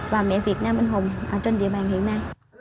và mẹ việt nam anh hùng trên địa bàn hiện nay